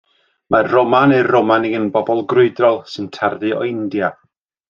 Mae'r Roma neu'r Romani yn bobl grwydrol sy'n tarddu o India.